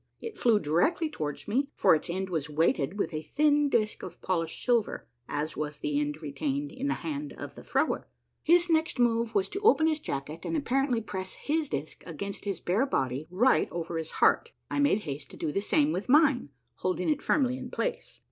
It flew directly towards me, for its end was weighed with a thin disk of polished silver, as was the end retained in the hand of the thrower. His next move was to open his jacket and apparently press his disk against his bare body right over his heart. I made haste to do the same with mine, holding it firmly in place.